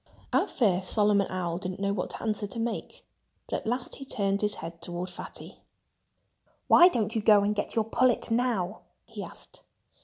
At first Solomon Owl didn't know what answer to make. But at last he turned his head toward Fatty. "Why don't you go and get your pullet now?" he asked.